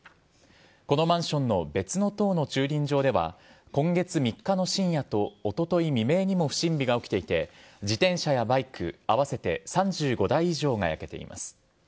このマンションの別の棟の駐輪場では、今月３日の深夜とおととい未明にも不審火が起きていて、自転車やバイク、合わせて３５台以上が焼けています。